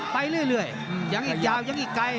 ไปเรื่อยยังอีกยาวยังอีกไกล